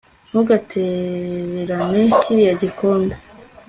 ntugatererane kiriya gikombe